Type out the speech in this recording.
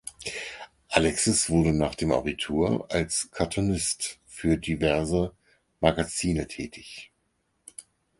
Alexis wurde nach dem Abitur als Cartoonist für diverse Magazine tätig.